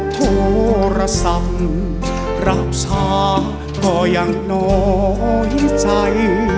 โทรศัพท์รับชาก็ยังน้อยใจ